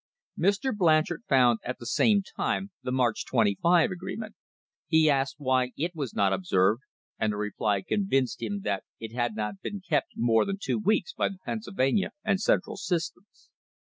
Mr. Blanchard found at the same time the March 25 agreement. He asked why it was not observed, and the reply convinced him that it had not been kept more than two weeks by the Pennsylvania and Central systems.